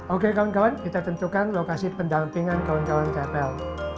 oke kawan kawan kita tentukan lokasi pendampingan kawan kawan kpl